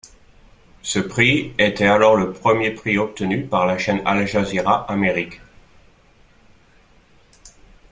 Ce prix était alors le premier prix obtenu par la chaîne Al Jazeera Amérique.